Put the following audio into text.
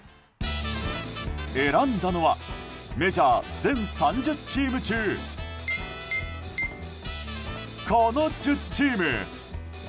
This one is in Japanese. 選んだのはメジャー全３０チーム中この１０チーム。